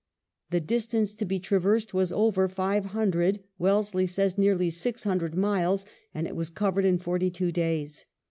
The distance to be traversed was over five hundred, Wellesley says nearly six hundred, miles, and it was covered in forty two days.